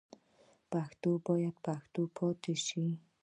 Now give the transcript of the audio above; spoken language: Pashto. پښتو باید پښتو پاتې شي.